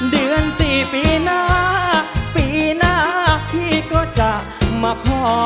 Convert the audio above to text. เดือน๔ปีหน้าปีหน้าพี่ก็จะมาขอ